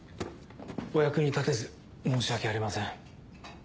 お役に立てず申し訳ありません。